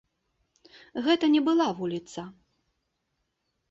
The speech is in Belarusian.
Гэта не была вуліца.